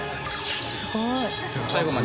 すごい。